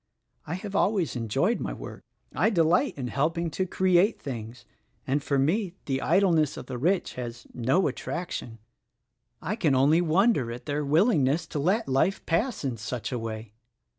I have always enjoyed my work. I delight in helping to create things, and for me the idleness of the rich has no attraction. I 4 o THE RECORDING ANGEL can only wonder at their willingness to let life pass in such a way.